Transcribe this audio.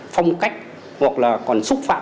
phong cách hoặc là còn xúc phạm